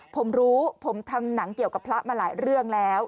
ผมรู้ผมทำหนังเกี่ยวกับพระมาหลายเรื่องแล้ว